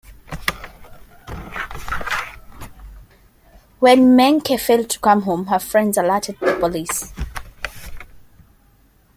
When Menke failed to come home, her friends alerted the police.